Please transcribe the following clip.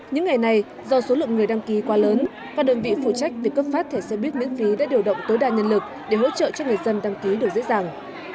những ngày này do số lượng người đăng ký quá lớn các đơn vị phụ trách việc cấp phát thẻ xe buýt miễn phí đã điều động tối đa nhân lực để hỗ trợ cho người dân đăng ký được dễ dàng